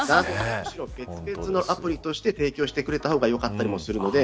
むしろ別々のアプリとして提供してくれた方が良かったりもするので